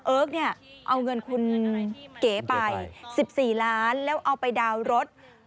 เนี่ยเอาเงินคุณเก๋ไป๑๔ล้านแล้วเอาไปดาวน์รถ